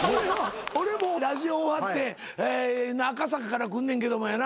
俺もラジオ終わって赤坂から来んねんけどもやな